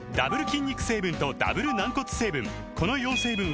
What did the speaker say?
筋肉成分とダブル軟骨成分